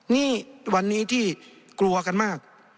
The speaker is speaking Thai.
นี่วันนี้ที่กลัวกันมาก